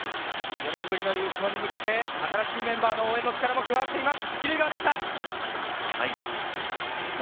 ４年ぶりの優勝に向けて新しいメンバーの応援の力も加わっています。